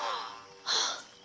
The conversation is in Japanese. はあ。